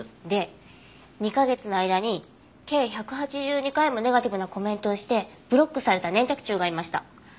で２カ月の間に計１８２回もネガティブなコメントをしてブロックされた粘着厨がいました。